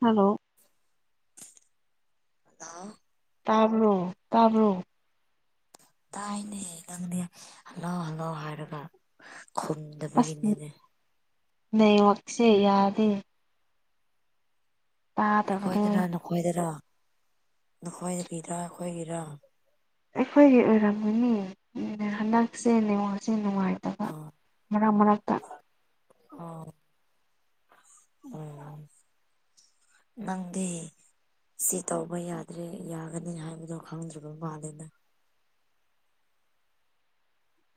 hello ꯑ ꯇꯥꯕꯔꯣ ꯇꯥꯕꯔꯣ ꯇꯥꯏꯅꯦ ꯅꯪꯅꯦ ꯍꯜꯂꯥꯎ ꯍꯜꯂꯥꯎ ꯍꯥꯏꯔꯒ ꯈꯨꯝ ꯑꯁ ꯅꯃꯛꯛꯁꯦ ꯌꯥꯗꯦ ꯇꯥꯗꯕꯗꯣ ꯑꯩꯈꯣꯏꯗꯔ ꯅꯈꯣꯏꯗꯔ ꯅꯈꯣꯏꯗꯕꯤꯔ ꯑꯩꯈꯣꯏꯒꯤꯔ ꯑꯩꯈꯣꯏꯒꯤ ꯑꯣꯏꯔꯝꯃꯤꯅꯤ ꯍꯟꯗꯛꯁꯦ ꯉꯁꯦ ꯅꯨꯡꯉꯥꯏ ꯍꯔ ꯃꯅꯥꯠꯇ ꯑ ꯎꯝ ꯅꯪꯗꯤ ꯁꯤ ꯇꯧꯕ ꯌꯥꯗ꯭ꯔꯦ ꯌꯥꯒꯅꯤ ꯍꯥꯏꯕꯗꯣ ꯈꯪꯗ꯭ꯔꯕ ꯃꯥꯜꯂꯦꯗ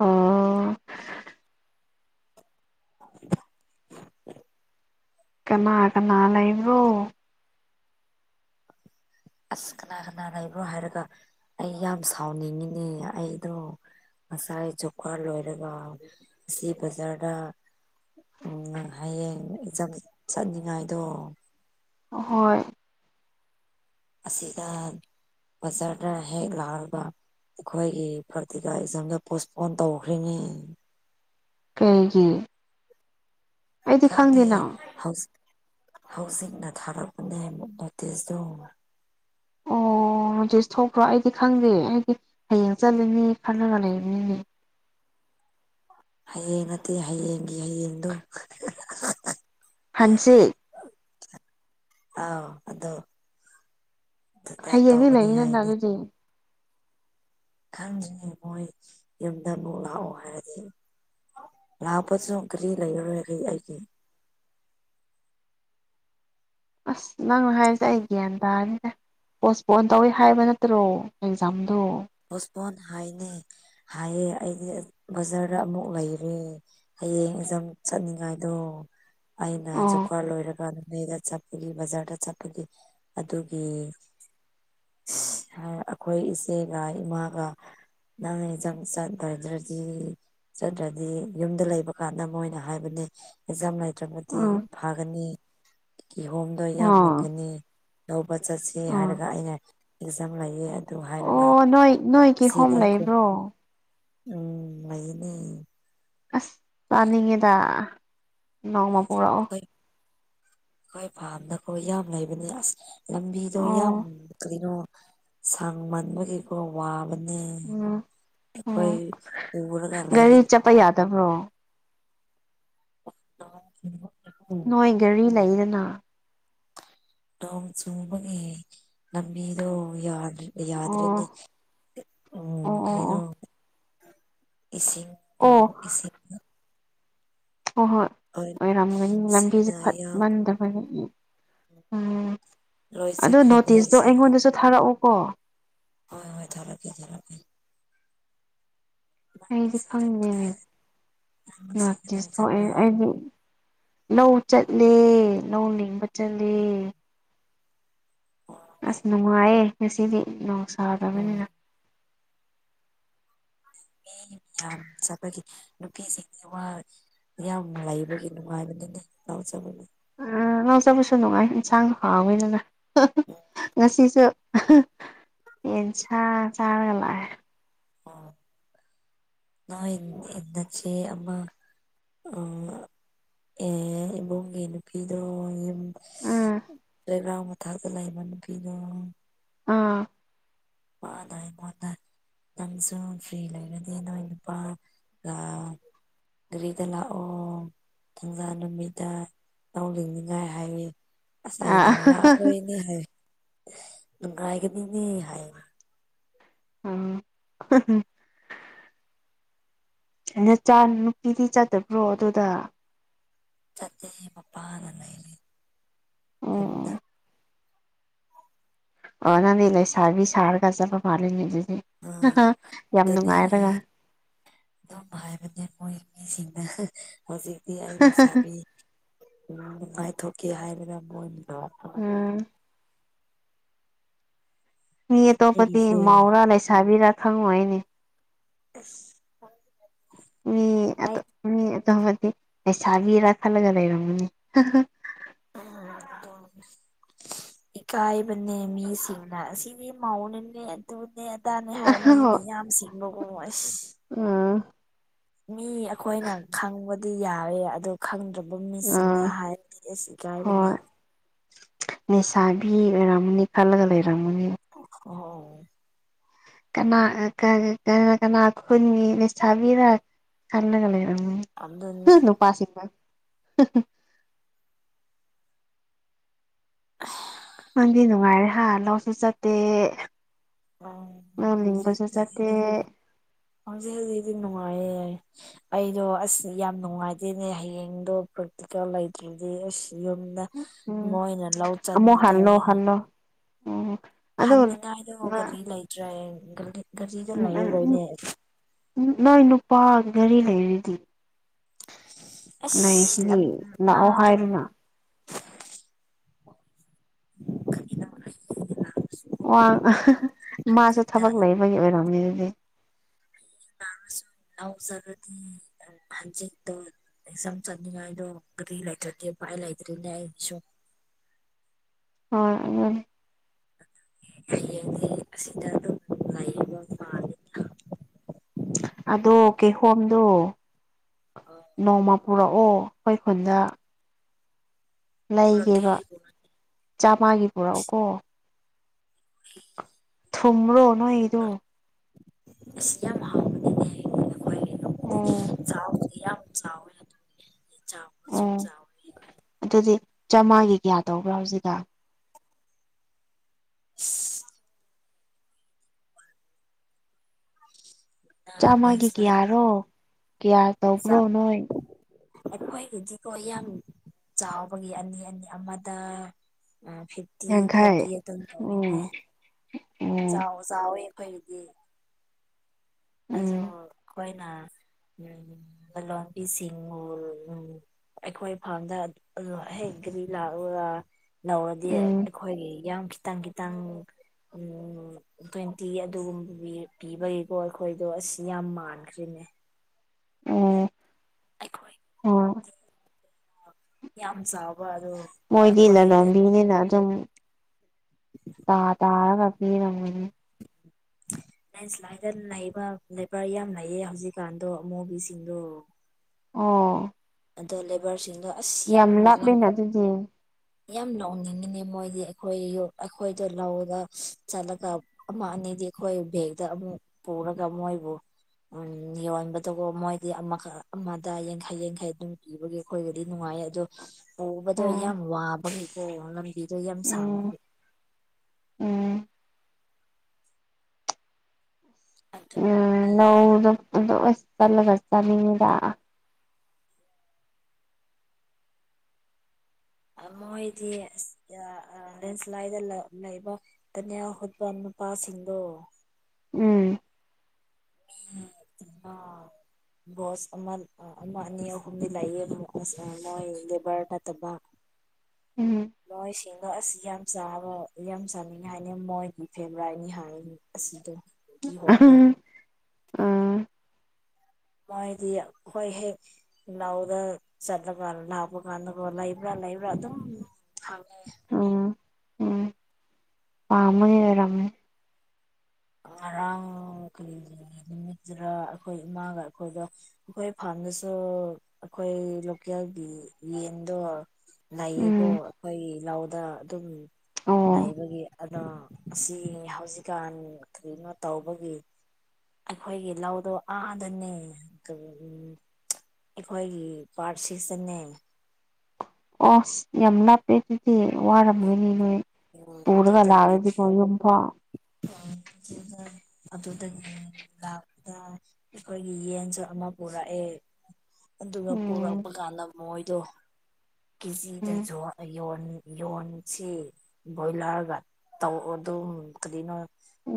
ꯑꯣ [inaudible] ꯀꯅꯥ ꯀꯅꯥ ꯂꯩꯕ꯭ꯔꯣ ꯑꯁ ꯀꯅꯥ ꯀꯅꯥ ꯂꯩꯕ꯭ꯔꯣ ꯍꯥꯏꯔꯒ ꯑꯩ ꯌꯥꯝ ꯁꯥꯎꯅꯤꯡꯉꯤꯅꯦ ꯑꯩꯗꯣ ꯉꯁꯥꯏ ꯖꯣꯕꯀꯥꯔ ꯂꯣꯏꯔꯒ ꯑꯁꯤ ꯕꯖꯥꯔꯗ ꯎꯝ ꯍꯌꯦꯡ ꯑꯦꯛꯖꯝ ꯆꯠꯅꯤꯡꯉꯥꯏꯗꯣ ꯍꯣꯏ ꯑꯁꯤꯗ ꯕꯖꯥꯔꯗ ꯍꯦꯛ ꯂꯥꯛꯑꯕ ꯑꯩꯈꯣꯏꯒꯤ ꯐꯔꯇꯤꯀꯥ ꯑꯦꯛꯖꯥꯝꯒ ꯄꯣꯁꯄꯣꯟ ꯇꯧꯈ꯭ꯔꯤꯅꯦ ꯀꯩꯒꯤ ꯑꯩꯗꯤ ꯈꯥꯗꯦ ꯈꯪꯗꯦꯅ ꯍꯁ ꯍꯧꯖꯤꯛꯅ ꯊꯥꯔꯛꯄꯅꯦ ꯅꯣꯇꯤꯁꯇꯣ ꯑꯣ ꯑꯗꯨꯗꯤ ꯊꯣꯛꯄ꯭ꯔꯣ ꯑꯩꯗꯤ ꯈꯪꯗꯦ ꯑꯩꯗꯤ ꯍꯌꯦꯡ ꯆꯠꯂꯤꯅꯤ ꯈꯜꯂꯒ ꯂꯩꯕꯅꯤꯅꯦ ꯍꯌꯦꯡ ꯅꯠꯇꯦ ꯍꯌꯦꯡꯒꯤ ꯍꯌꯦꯡꯗꯨꯣ ꯍꯟꯆꯦ ꯑꯥꯎ ꯑꯗꯣ ꯑꯗꯨꯗ ꯍꯌꯦꯡꯗꯤ ꯇꯧꯒꯅꯤ ꯂꯩꯅꯤꯗꯅ ꯍꯥꯏꯅꯤ ꯑꯗꯨꯗꯤ ꯈꯪꯉꯦ ꯃꯣꯏ ꯌꯨꯝꯗꯕꯨꯨꯛ ꯂꯥꯛꯑꯣ ꯍꯥꯏꯔꯗꯤ ꯂꯥꯛꯄꯁꯨ ꯀꯔꯤ ꯂꯩꯔꯔꯣꯏꯒ ꯑꯩꯒꯤ ꯑꯁ ꯅꯪꯅ ꯍꯥꯏꯔꯤꯁꯦ ꯑꯩ ꯒ꯭ꯌꯥꯟ ꯇꯥꯔꯅꯤꯅꯦ ꯄꯣꯁꯄꯣꯟ ꯇꯧꯋꯤ ꯍꯥꯏꯕ ꯅꯠꯇ꯭ꯔꯣ ꯑꯦꯛꯖꯥꯝꯗꯣ ꯍꯣꯁꯄꯣꯟ ꯍꯥꯏꯅꯦ ꯍꯥꯏꯌꯦ ꯑꯩꯗꯤ ꯕꯖꯥꯔꯗ ꯑꯃꯨꯛ ꯂꯩꯔꯦ ꯍꯌꯦꯡ ꯑꯦꯛꯖꯝ ꯆꯠꯅꯤꯡꯉꯥꯏꯗꯣ ꯑꯩꯅ ꯑꯣ ꯖꯀꯋꯥꯠ ꯂꯣꯏꯔꯒ ꯑꯗꯨꯩꯗꯄ ꯑꯩꯒꯤ ꯕꯖꯥꯔꯗ ꯆꯠꯄꯒꯤ ꯑꯗꯨꯒꯤ ꯑꯩꯈꯣꯏ ꯏꯆꯦꯒ ꯏꯃꯥꯒ ꯅ ꯪꯁꯟ ꯔꯦꯗ꯭ꯔꯖꯤ ꯆꯗ꯭ꯔꯗꯤ ꯌꯨꯝꯗ ꯂꯩꯕ ꯀꯥꯟꯗ ꯃꯣꯏꯅ ꯍꯥꯏꯕꯅꯦ ꯑꯦꯛꯖꯥꯝ ꯅꯠꯇ꯭ꯔꯒꯗꯤ ꯎꯝ ꯐꯒꯅꯤ ꯀꯤꯍꯣꯝꯗꯣ ꯏꯌꯥꯝ ꯑꯣ ꯃꯨꯟꯒꯅꯤ ꯂꯧꯕ ꯆꯠꯁꯤ ꯑꯣ ꯍꯥꯏꯔꯒ ꯑꯩꯅ ꯑꯦꯛꯖꯥꯝ ꯂꯩꯌꯦ ꯑꯣ ꯅꯣꯏ ꯅꯣꯏ ꯀꯤꯍꯣꯝ ꯁꯤꯗ ꯂꯩꯕ꯭ꯔꯣ ꯎꯝ ꯃꯥꯏꯅꯦ ꯑꯁ ꯄꯥꯅꯤꯡꯉꯤꯗ ꯅꯣꯡꯃ ꯄꯨꯔꯛꯑꯣ ꯑꯩꯈꯣꯏ ꯑꯩꯈꯣꯏ ꯄꯥꯝꯗꯀꯣ ꯌꯥꯝ ꯂꯩꯕꯅꯦ ꯑꯁ ꯂꯝꯕꯤꯗꯣ ꯌꯥꯝ ꯑꯣ ꯀꯔꯤꯅꯣ ꯁꯪ ꯃꯟꯕꯒꯤ ꯑꯗꯨꯒ ꯋꯥꯕꯅꯤ ꯎꯝ ꯑꯩꯈꯣꯏ ꯄꯨꯔꯒ ꯂꯩꯔꯗꯤ ꯆꯞꯄ ꯌꯥꯗꯕ꯭ꯔꯣ ꯎꯝ ꯅꯣꯏ ꯘꯔꯤ ꯂꯩꯗꯅ ꯅꯣꯡ ꯆꯨꯕꯒꯤ ꯂꯝꯕꯤꯗꯣ ꯌꯥꯗ ꯑꯣ ꯌꯥꯗ꯭ꯔꯦꯅꯦ ꯎꯝ ꯑꯣ ꯑꯣ ꯑꯣ ꯀꯔꯤꯅ ꯏꯁꯤꯡ ꯑꯣ ꯏꯁꯤꯡ ꯍꯣꯏ ꯍꯣꯏ ꯑꯣꯏꯔꯝꯒꯅꯤ ꯂꯝꯕꯤꯁꯦ ꯁꯤꯅ ꯐꯠ ꯌꯥꯝ ꯃꯟꯗꯕꯒꯤ ꯎꯝ ꯂꯣꯏ ꯑꯗꯨ ꯆꯠꯈ꯭ꯔꯦꯅꯦ ꯅꯣꯇꯤꯁꯇꯣ ꯏꯁꯤꯡ ꯑꯩꯉꯣꯟꯗꯁꯨ ꯊꯥꯔꯛꯎꯀꯣ ꯍꯣꯏ ꯍꯣꯏ ꯊꯔꯛꯀꯦ ꯊꯔꯛꯀꯦ ꯑꯩꯗꯤ ꯈꯪꯗꯦꯅꯦ ꯉꯁꯤ ꯀꯗꯥꯏ ꯅꯣꯇꯤꯁ ꯊꯣꯛꯑꯦ ꯆꯠꯄ꯭ꯔꯥ ꯑꯩꯗꯤ ꯂꯧ ꯆꯠꯂꯦ ꯂꯧ ꯂꯤꯡꯕ ꯆꯠꯂꯦ ꯑꯁ ꯅꯨꯡꯉꯥꯏꯌꯦ ꯉꯁꯤꯗꯤ ꯅꯣꯡꯁꯨ ꯑꯣ ꯃꯤ ꯌꯥꯝ [unintelligible] ꯅꯨꯄꯤꯁꯤꯡꯒꯤ ꯋꯥ ꯌꯥꯝꯌꯥꯝ ꯂꯩꯕꯒꯤ ꯅꯨꯡꯉꯥꯏꯕꯗꯨꯅꯦ ꯂꯥꯎꯖꯕꯒꯤ ꯉꯥꯎꯖꯕꯁꯨ ꯅꯨꯡꯉꯥꯏ ꯌꯦꯟꯁꯥꯡ ꯍꯥꯎꯋꯤꯗꯅ ꯉꯁꯤꯁꯨ ꯌꯦꯁ ꯆꯥꯔꯒꯂ ꯑ [unintelligible] ꯅꯆꯦ ꯑꯃ ꯑꯦ ꯏꯕꯨꯡꯒꯤ ꯅꯨꯄꯤꯗꯣ ꯎꯝ ꯆꯩꯕꯔꯥꯎ ꯃꯊꯥꯛꯛꯇ ꯂꯩꯕ ꯅꯨꯄꯤꯗꯣ ꯑꯥ ꯃꯥꯗꯥꯏ ꯃꯣꯗ ꯅꯪꯁꯨ ꯐ꯭ꯔꯤ ꯂꯩꯔꯗꯤ ꯅꯣꯏ ꯅꯨꯄꯥ ꯒꯔꯤꯗ ꯂꯥꯛ ꯑꯣ ꯊꯪꯖꯥ ꯅꯨꯃꯤꯠꯇ ꯂꯧ ꯂꯤꯡꯅꯤꯉꯥꯏ ꯍꯥꯏꯌꯦ ꯑꯁ ꯑꯥ ꯑꯩꯅ ꯌꯥꯔꯣꯏꯅꯦ ꯍꯥꯏ ꯅꯨꯡꯉꯥꯏꯒꯅꯤꯅꯦ ꯍꯥꯏ ꯎꯝ [unintelligible] ꯅꯆꯥꯅꯨꯄꯤꯗꯤ ꯆꯠꯇꯕ꯭ꯔꯣ ꯑꯗꯨꯗ ꯆꯠꯇꯦ ꯃꯄꯥꯒ ꯂꯩꯔꯤ ꯑꯣ ꯌꯨꯝꯗ ꯑꯣ ꯅꯪꯗꯤ ꯂꯩꯁꯥꯕꯤ ꯁꯥꯔꯒ ꯆꯠꯕ ꯃꯥꯜꯂꯤꯅꯤ ꯑꯗꯨꯗꯤ ꯑꯥ [unintelligible] ꯌꯥꯝ ꯑꯗꯨꯅꯦ ꯅꯨꯡꯉꯥꯏꯔꯒ ꯑꯩ ꯑꯗꯨꯝ ꯍꯥꯏꯕꯅꯦ ꯃꯣꯏ ꯃꯤꯁꯤꯡꯅ ꯍꯧꯖꯤꯛꯇꯤ ꯑꯩ ꯂꯩꯁꯥꯕꯤ ꯅꯨꯡꯉꯥꯏꯊꯣꯛꯀꯦ ꯍꯥꯏꯕꯗ [unintelligible] ꯑꯃꯗꯣ ꯎꯝ ꯃꯤ ꯑꯇꯣꯞꯄꯗꯤ ꯑꯩꯒꯤꯁꯦ ꯃꯧꯔꯥ ꯂꯩꯁꯥꯕꯤꯔ ꯈꯪꯉꯣꯏꯅꯦ ꯑꯦꯁ ꯃꯤ ꯃꯤ ꯑꯇꯣꯄꯗꯤ ꯂꯩꯁꯥꯕꯤꯔ ꯈꯜꯂꯒ ꯂꯩꯔꯝꯒꯅꯤ [unintelligible] ꯏꯀꯥꯏꯕꯅꯦ ꯃꯤꯁꯤꯡꯅ ꯑꯁꯤꯗꯤ ꯃꯧꯅꯤꯅꯦ ꯑꯗꯨꯅꯦ ꯑꯗꯥꯅꯦ ꯑꯍꯣ ꯍꯥꯏꯕꯅꯤ ꯃꯤ ꯃꯌꯥꯝ ꯁꯤꯡꯕꯒꯨꯝ ꯑꯁ ꯑꯝ ꯃꯤ ꯑꯩꯈꯣꯏꯅ ꯈꯪꯕꯗꯤ ꯌꯥꯔꯦ ꯑꯗꯨ ꯈꯪꯗ꯭ꯔꯕ ꯃꯤꯁꯤꯡꯅ ꯎꯝ ꯍꯥꯏꯔꯗꯤ ꯑꯩꯁꯨ ꯏꯀꯥꯏꯕꯅꯤ ꯍꯣꯏ ꯂꯩꯁꯥꯕꯤ ꯑꯣꯏꯔꯝꯃꯅꯤ ꯈꯜꯂꯒ ꯂꯩꯔꯝꯃꯅꯤ [unintelligible] ꯀꯅꯥ ꯀꯅꯥ ꯀꯅꯥ ꯈꯨꯟꯒꯤ ꯂꯩꯁꯥꯕꯤꯔ ꯈꯜꯂꯒ ꯂꯩꯔꯝꯒꯅꯤ ꯑꯗꯨꯅꯦ [unintelligible] ꯅꯨꯄꯥꯁꯤꯡꯅ [unintelligible] [unintelligible] ꯅꯪꯗꯤ ꯅꯨꯡꯉꯥꯏꯔꯦ ꯍꯥ ꯂꯧꯁꯨ ꯆꯠꯇꯦ ꯂꯧ ꯂꯤꯡꯕꯁꯨ ꯆꯠꯇꯦ [unintelligible] ꯅꯨꯡꯉꯥꯏ ꯌꯦ ꯑꯩꯗꯣ ꯑꯁ ꯌꯥꯝ ꯅꯨꯡꯉꯥꯏꯇꯦꯅꯦ ꯍꯌꯦꯡꯗꯣ ꯄ꯭ꯔꯦꯛꯇꯤꯀꯦꯜ ꯂꯩꯇ꯭ꯔꯗꯤ ꯑꯁ ꯌꯨꯝꯗ ꯎꯝ ꯃꯣꯏꯅ ꯂꯧ ꯑꯃꯨꯛ ꯍꯜꯂꯣ ꯆꯠꯀꯅꯤ ꯍꯜꯂꯣ ꯎꯝ ꯑꯗꯨ ꯍꯟꯅꯤꯡꯉꯥꯏꯗꯣ ꯒꯥꯔꯤ ꯂꯩꯇ꯭ꯔꯦ ꯒꯥꯔꯤ ꯒꯥꯔꯤꯗꯣ ꯎꯝ ꯎ ꯎꯝ ꯂꯩꯔꯔꯣꯏꯅꯦ ꯎꯝ ꯅꯣꯏ ꯅꯨꯄꯥ ꯒꯥꯔꯤ ꯂꯩꯔꯗꯤ ꯑꯦꯁ ꯂꯝ ꯂꯩꯔꯤꯁꯤꯗꯤ ꯂꯥꯛꯑꯣ ꯃꯥꯗꯣ ꯍꯥꯏꯗꯅ ꯀꯔꯤꯅꯣ ꯋꯥ ꯃꯥꯁꯨ ꯍꯟꯖꯤꯛꯇ ꯊꯕꯛ ꯂꯩꯕꯒꯤ ꯑꯣꯏꯔꯝꯅꯤ ꯑꯗꯨꯗꯤ [unintelligible] ꯍꯟꯖꯤꯛꯇꯣ ꯑꯦꯛꯖꯦꯝ ꯆꯠꯅꯤꯡꯉꯥꯏꯗꯣ ꯒꯔꯤ ꯂꯩꯇ꯭ꯔꯥꯗꯤ ꯎꯄꯥꯏ ꯂꯩꯇꯦꯔꯅꯩ ꯑꯩꯁꯨ [unintelligible] [unintelligible] ꯁꯤꯗꯗꯨꯝ ꯂꯥꯏꯌꯦꯕ ꯄꯥ ꯑꯗꯣ ꯀꯦꯍꯣꯝꯗꯣ ꯍꯣꯏ ꯅꯣꯡꯃ ꯄꯨꯔꯛꯑꯣ ꯑꯩꯈꯣꯏ ꯈꯨꯟꯗ ꯄꯨꯔꯛꯀꯦ ꯂꯩꯒꯦꯕ ꯄꯨꯔꯛꯀꯦ ꯆꯥꯝꯃꯒꯤ ꯄꯨꯔꯛꯎꯀꯣ [inaudible] ꯊꯨꯝꯂꯣ ꯄꯨꯔꯛꯀꯦ ꯅꯣꯏꯗꯣ ꯑꯁ ꯌꯥꯝ ꯍꯥꯎꯕꯅꯤꯅꯦ [unintelligible] ꯂꯧꯗꯤ ꯑꯣ ꯆꯥꯎꯕꯗꯤ ꯌꯥꯝ ꯆꯥꯎꯋꯦ ꯑꯗꯨ ꯑꯩ ꯆꯥꯎꯕꯁꯨ ꯑꯣ ꯆꯥꯎꯋꯦ ꯑꯗꯨꯗꯤ ꯆꯥꯝꯃꯉꯥꯒꯤ ꯀꯌꯥ ꯇꯧꯕ꯭ꯔꯥ ꯍꯧꯖꯤꯛꯀꯥꯟ [unintelligible] [inaudible] ꯆꯥꯝꯃꯒꯤ ꯂꯦꯟꯁ꯭ꯂꯥꯏꯠ ꯀꯌꯥꯔꯣ ꯀꯌꯥ ꯇꯧꯕ꯭ꯔꯣ ꯆꯥꯝꯃ ꯅꯣꯏ ꯑꯩꯈꯣꯏꯒꯤꯗꯤꯀꯣ ꯌꯥꯝ ꯆꯥꯎꯕꯒꯤ ꯑꯅꯤ ꯑꯅꯤ ꯑꯃꯗ ꯐꯤꯐꯇꯤ ꯌꯥꯡꯈꯩ ꯐꯣꯔꯇꯤ ꯑꯗꯨꯝ ꯇꯧꯏꯅꯦ ꯑꯣ ꯑꯣ ꯆꯥꯎꯋꯦ ꯆꯥꯎꯋꯦ ꯑꯩꯈꯣꯏꯒꯤꯗꯤ ꯎꯝ ꯎꯝ ꯑꯖꯣꯜ ꯑꯩꯈꯣꯏꯅ ꯂꯥꯂꯣꯟꯕꯤꯁꯤꯡꯕꯨ ꯎꯝ ꯑꯩꯈꯣꯏ ꯐꯥꯝꯗ ꯍꯦꯛ ꯒꯔꯤ ꯂꯥꯛꯎꯔꯥ ꯂꯧꯔꯗꯤ ꯎꯝ ꯑꯩꯈꯣꯏꯒꯤ ꯌꯥꯝ ꯈꯤꯇꯪ ꯈꯤ ꯇꯥꯡ ꯇ꯭ꯋꯦꯟꯇꯤ ꯑꯗꯨꯒꯨꯝꯕ ꯄꯤꯕꯒꯤꯀꯣ ꯑꯩꯈꯣꯏꯗꯣ ꯑꯦꯁ ꯌꯥꯝ ꯃꯥꯟꯈ꯭ꯔꯤꯅꯦ ꯑꯣ ꯑꯩꯈꯣꯏ ꯍꯣꯏ ꯌꯥꯝ ꯆꯕ ꯑꯗꯣ ꯑꯩꯈꯣꯏꯅ ꯃꯤꯅꯤꯅ ꯑꯗꯨꯝ ꯇꯥ ꯇꯥꯔꯒ ꯄꯤꯔꯝꯒꯅꯤ [inaudible] ꯂꯥꯏꯟꯁꯂꯥꯏꯗ ꯂꯩꯕ ꯂꯦꯕꯔ ꯌꯥꯝ ꯂꯩꯌꯦ ꯍꯧꯖꯤꯛꯀꯥꯟꯗꯣ ꯑꯃꯨꯕꯤꯁꯤꯡꯗꯣ ꯑꯣ ꯑꯗꯣ ꯂꯦꯕꯔꯁꯤꯡꯗꯣ ꯑꯁ ꯌꯥꯝ ꯂꯥꯎꯕ [inaudible] ꯌꯥꯝ ꯂꯥꯎꯅꯤꯡꯉꯥꯅꯦ ꯃꯣꯏꯗꯤ ꯑꯩꯈꯣꯏ ꯑꯩꯈꯣꯏꯗ ꯂꯧꯔꯒ ꯆꯠꯂꯒ ꯑꯃ ꯑꯅꯤꯗꯤ ꯑꯩꯈꯣꯏ ꯕꯦꯒꯗ ꯑꯃꯨꯛ ꯄꯨꯔꯒ ꯃꯣꯏꯕꯨ ꯎꯝ ꯌꯣꯟꯕꯗꯒꯣ ꯃꯣꯏꯗꯤ ꯑꯃꯈꯛ ꯑꯃꯗ ꯌꯥꯡꯈꯩ ꯌꯥꯡꯈꯩ ꯑꯗꯨꯝ ꯄꯤꯕꯒꯤ ꯑꯩꯈꯣꯏꯒꯗꯤ ꯅꯨꯡꯉꯥꯏ ꯑꯗꯣ ꯄꯨꯕꯗꯣ ꯑꯣ ꯌꯥꯝ ꯋꯥꯕꯒꯤꯀꯣ ꯂꯝꯕꯤꯗꯣ ꯌꯥꯝ ꯎꯝ ꯁꯥꯡꯕꯒꯤ ꯎꯝ ꯎꯝ ꯅꯥꯎꯗꯣ ꯑꯗꯣ ꯇꯠꯂꯒ ꯆꯅꯤꯡꯉꯤꯗ ꯃꯣꯏꯗꯤ ꯂꯦꯟꯁ꯭ꯂꯥꯏꯗ ꯂꯥ ꯂꯩꯕ ꯇꯅꯦꯜꯌꯥ ꯍꯨꯠꯄ ꯅꯨꯄꯥꯁꯤꯡꯗꯣ ꯎꯝ ꯑꯥ ꯕꯣꯁ ꯑꯃ ꯑꯃ ꯑꯅꯤ ꯑꯍꯨꯝꯗꯤ ꯂꯩꯌꯦ ꯃꯣꯏ ꯂꯦꯕꯔ ꯅꯠꯇꯕ ꯎꯝ ꯅꯣꯏꯁꯤꯡꯗꯣ ꯑꯁ ꯌꯥꯝ ꯆꯥꯕ ꯌꯥꯝ ꯆꯥꯅꯤꯡꯉꯦ ꯍꯥꯏꯅꯦ ꯃꯣꯏꯒꯤ ꯐꯦꯚꯣꯔꯥꯏꯠꯅꯤ ꯍꯥꯏꯅꯤ ꯑꯁꯤꯗꯣ ꯀꯤꯍꯣꯝꯔꯣ ꯎꯝ ꯃꯗꯤ ꯍꯣꯏ ꯍꯦꯛ ꯂꯧꯗ ꯆꯠꯂꯀꯟ ꯂꯥꯛꯄꯀꯟꯗꯀꯣ ꯂꯩꯕ꯭ꯔꯥ ꯂꯩꯕ꯭ꯔꯥ ꯑꯗꯨꯝ ꯍꯪꯉꯦ ꯎꯝ ꯄꯥꯎꯃꯩ ꯑꯣꯏꯔꯝꯅꯤ ꯉꯔꯥꯡ ꯀꯔꯤ ꯅꯨꯃꯤꯠꯇꯔ ꯑꯩꯈꯣꯏ ꯏꯃꯥꯒ ꯑꯩꯈꯣꯏꯗ ꯑꯩꯈꯣꯏ ꯐꯥꯔꯝꯗꯁꯨ ꯑꯩꯈꯣꯏ ꯂꯣꯀꯦꯜꯒꯤ ꯌꯦꯟꯗꯣ ꯂꯩꯌꯦꯀꯣ ꯎꯝ ꯑꯩꯈꯣꯏ ꯂꯧꯗ ꯑꯗꯨꯝ ꯑꯣ ꯂꯩꯕꯒꯤ ꯑꯗꯣ ꯑꯁꯤ ꯍꯧꯖꯤꯛꯀꯥꯟ ꯀꯔꯤꯅꯣ ꯇꯧꯕꯒꯤ ꯑꯩꯈꯣꯏꯒꯤ ꯂꯧꯗꯣ ꯑꯥꯗꯅꯦ ꯎꯝ ꯑꯩꯈꯣꯏꯒꯤ ꯄꯥꯔꯠ ꯁꯤꯛꯁꯇꯅꯦ ꯑꯁ ꯌꯥꯝ ꯅꯄ ꯑꯦ ꯑꯗꯨꯗꯤ ꯋꯥꯔꯝꯒꯅꯤꯍꯦ ꯄꯨꯔꯒ ꯑꯗꯨꯗꯒꯤ ꯂꯥꯛꯔꯗꯤꯀꯣ ꯌꯨꯝ ꯐꯥꯎ ꯑꯗꯨꯗꯒꯤ ꯂꯥꯛꯇ ꯑꯩꯈꯣꯏꯒꯤ ꯌꯦꯟꯁꯨ ꯑꯃ ꯄꯨꯔꯛꯑꯦ ꯑꯗꯨꯒ ꯎꯝ ꯄꯨꯔꯛꯄ ꯀꯥꯟꯗ ꯃꯣꯏꯗꯣ ꯀꯦꯖꯤꯗ ꯎꯝ ꯖꯣꯠ ꯌꯣꯟꯅꯤ ꯌꯣꯟꯁꯤ ꯕꯣꯏꯂꯔꯒ ꯇꯧꯔꯛꯑꯣ ꯑꯗꯨꯝ ꯀꯔꯤꯅꯣ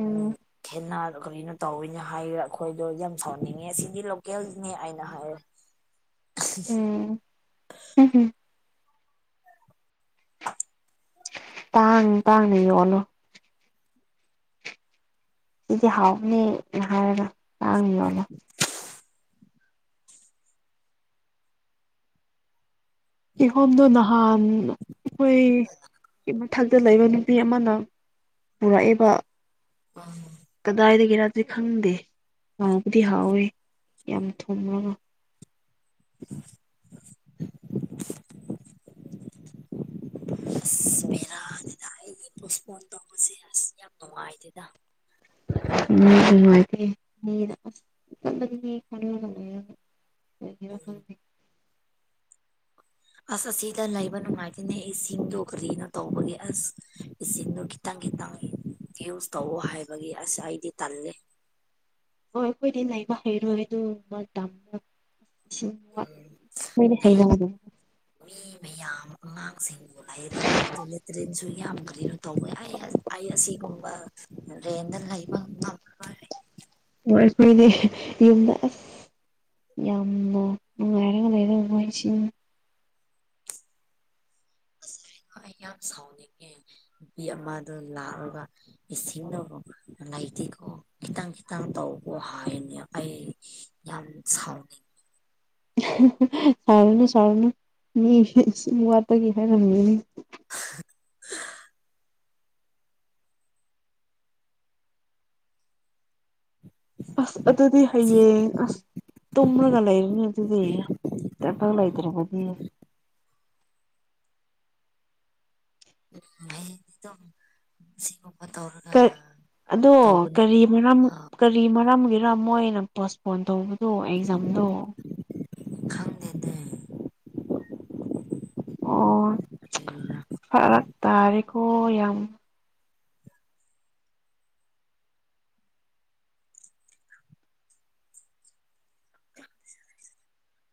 ꯎꯝ ꯈꯦꯅꯥꯟ ꯀꯕꯤꯅꯠ ꯇꯧꯋꯤꯅ ꯍꯥꯏꯈ꯭ꯔꯦ ꯑꯩꯈꯣꯏꯗꯣ ꯌꯥꯝ ꯁꯥꯎꯍꯟꯅꯤꯡꯉꯦ ꯁꯤꯗꯤ ꯂꯣꯀꯦꯜꯅꯦ ꯑꯩꯅ ꯍꯥꯏꯔꯦ [unintelligible] ꯎꯝ ꯍꯝ [inaudible] ꯇꯥꯡ ꯇꯥꯡꯅ ꯌꯣꯟꯔꯣ ꯁꯤꯗꯤ ꯍꯥꯎꯅꯦ ꯍꯥꯏꯔꯒ ꯇꯥꯡꯅ ꯌꯣꯜꯂꯦ ꯀꯤꯍꯣꯝꯗꯣ ꯅꯍꯥꯟ ꯑꯩꯈꯣꯏ [unintelligible] ꯗ ꯂꯩꯕ ꯅꯨꯄꯤ ꯑꯃꯅ ꯄꯨꯔꯛꯑꯦꯕ ꯎꯝ ꯀꯗꯥꯏꯗꯒꯤꯔꯗꯤ ꯈꯪꯗꯦ ꯌꯥꯝꯅꯕꯨꯗꯤ ꯍꯥꯎꯋꯦ ꯌꯥꯝ ꯊꯨꯝꯃꯒ [unintelligible] [unintelligible] ꯅꯥꯗꯦꯗꯥ ꯑꯩꯒꯤ ꯄꯣꯁꯄꯣꯟ ꯇꯧꯕꯁꯦ ꯑꯁ ꯌꯥꯝ ꯅꯨꯡꯉꯥꯏ ꯇꯦꯗꯥ [unintelligible] ꯀꯔꯤꯒꯤꯔ ꯈꯪꯗꯦ ꯑꯁ ꯑꯁꯤꯗ ꯂꯩꯕ ꯅꯨꯡꯉꯥꯏꯇꯅꯦ ꯑꯩꯁꯤꯡꯗꯣ ꯀꯔꯤꯅ ꯇꯧꯕꯒꯤ ꯑꯁ ꯏꯁꯤꯡꯗꯣ ꯈꯤꯇꯪ ꯈꯤꯇꯪ ꯌꯨꯁ ꯇꯧꯋꯣ ꯍꯥꯏꯕꯒꯤ ꯑꯁ ꯑꯩꯗꯤ ꯇꯜꯂꯤ ꯍꯣꯏ ꯑꯩꯈꯣꯏꯗꯤ ꯂꯩꯥꯏꯕ ꯍꯩꯔꯣꯏ ꯑꯗꯨꯒꯨꯝꯕ ꯇꯝꯃꯣ ꯏꯁꯤꯡ ꯋꯥꯠꯔꯗꯤ ꯃꯣꯏꯗꯤ ꯂꯩ ꯍꯩꯅꯒꯗꯔ ꯃꯤ ꯃꯌꯥꯝ ꯑꯉꯥꯡꯁꯤꯡꯕꯄ ꯂꯩꯔꯒ ꯑꯗꯨ ꯂꯦꯇ꯭ꯔꯤꯟꯁꯨ ꯌꯥꯝ [unintelligible] ꯇꯧꯋꯦ ꯑꯩ ꯑꯩ ꯑꯁꯤꯒꯨꯝꯕ ꯔꯦꯟꯗ ꯂꯩꯕ ꯉꯝ [unintelligible] ꯌꯨꯝꯗ ꯑꯁ ꯌꯥꯝꯅ ꯅꯨꯡꯉꯥꯏꯔꯒ ꯂꯩ ꯃꯣꯏꯁꯤꯡ ꯑꯁ ꯀꯩꯅꯣ ꯑꯩ ꯌꯥꯝ ꯁꯥꯎꯅꯤꯡꯉꯦ ꯅꯨꯄꯤ ꯑꯃꯗ ꯂꯥꯛꯑꯒ ꯏꯁꯤꯡꯗꯣ ꯂꯩꯇꯦꯀꯣ ꯈꯤꯇꯪ ꯈꯤꯇꯪ ꯇꯧꯀꯣ ꯍꯥꯏꯌꯦꯅꯦ ꯑꯩ ꯌꯥꯝ ꯁꯥꯎꯅꯤꯡ ꯁꯥꯥꯎꯔꯨꯅꯨ ꯁꯥꯥꯎꯔꯨꯅꯨ ꯃꯤ ꯁꯨꯝ ꯋꯥꯠꯄꯒꯤ ꯍꯥꯏꯔꯝꯃꯤꯅꯤ [unintelligible] [unintelligible] ꯑꯁ ꯑꯗꯨꯗꯤ ꯁꯤ ꯍꯌꯦ ꯑꯁ ꯇꯨꯝꯔꯒ ꯂꯩꯕꯅꯤ ꯑꯗꯨꯗꯤ ꯊꯕꯛ ꯂꯩꯇ꯭ꯔꯕꯗꯤ [unintelligible] ꯑꯗꯣ ꯇꯧꯒꯅꯤ ꯀꯔꯤ ꯃꯔꯝ ꯑꯥ ꯀꯔꯤ ꯃꯔꯝꯒꯤꯔ ꯃꯣꯏꯅ ꯄꯣꯁꯄꯣꯟ ꯇꯧꯕ ꯑꯣ ꯑꯦꯛꯖꯥꯝꯗꯣ ꯈꯪꯗꯦꯅꯦ ꯑꯣ ꯇ ꯂ ꯐꯔꯛ ꯇꯥꯔꯦꯀꯣ ꯌꯥꯝ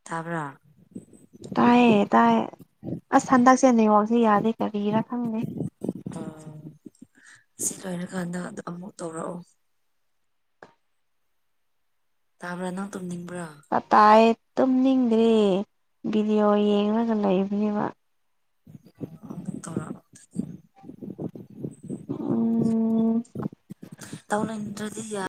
ꯇꯕꯔ ꯇꯥꯏꯌꯦ ꯇꯥꯏ ꯑꯁ ꯍꯟꯗꯛꯁꯦ ꯅꯤꯉꯣꯜꯁꯦ ꯌꯥꯗꯦ ꯀꯔꯤꯔꯥ ꯈꯪꯅꯤ ꯎꯝ ꯁꯤ ꯂꯣꯏꯔꯀꯥꯟꯗ ꯑ ꯑꯃꯨꯛ ꯇꯧꯔꯛꯑꯣ ꯇꯥꯕ꯭ꯔꯥ ꯅꯪ ꯇꯨꯝꯅꯤꯡꯕ꯭ꯔꯣ ꯀꯇꯥꯏ ꯇꯨꯝꯅꯤꯡꯗ꯭ꯔꯤ ꯚꯤꯗꯤꯑꯣ ꯌꯦꯡꯂꯡꯒ ꯂꯩꯕꯅꯦꯕ ꯛꯇ ꯎꯝ ꯇꯧꯅ ꯏꯅꯗꯤ ꯌꯥ